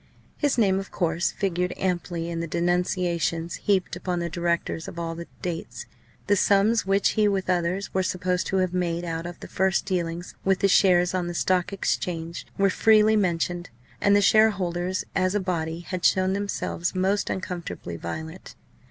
His name, of course, figured amply in the denunciations heaped upon the directors of all dates; the sums which he with others were supposed to have made out of the first dealings with the shares on the Stock Exchange were freely mentioned; and the shareholders as a body had shown themselves most uncomfortably violent.